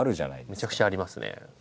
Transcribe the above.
むちゃくちゃありますね。